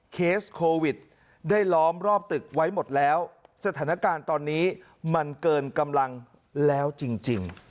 เคสโควิดได้ล้อมรอบตึกไว้หมดแล้วสถานการณ์ตอนนี้มันเกินกำลังแล้วจริง